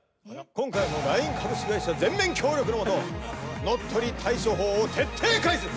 今回ＬＩＮＥ株式会社全面協力の下乗っ取り対処法を徹底解説。